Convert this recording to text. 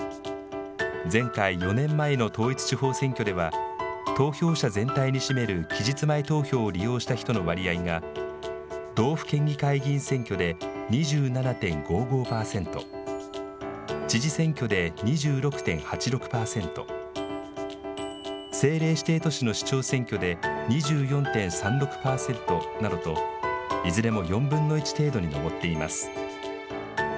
前回・４年前の統一地方選挙では、投票者全体に占める期日前投票を利用した人の割合が、道府県議会議員選挙で２７．５５％、知事選挙で２６．８６％、政令指定都市の市長選挙で２４．３６％などと、いずれも４分の１程度に上っています。